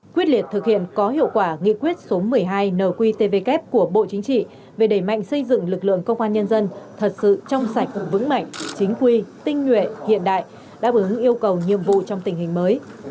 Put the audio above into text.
quyết liệt thực hiện có hiệu quả nghị quyết số một mươi hai nqtvk của bộ chính trị về đẩy mạnh xây dựng lực lượng công an nhân dân thật sự trong sạch vững mạnh chính quy tinh nguyện hiện đại đáp ứng yêu cầu nhiệm vụ trong tình hình mới